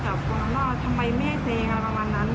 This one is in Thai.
แต่บอกว่าทำไมไม่เซงประมาณนั้น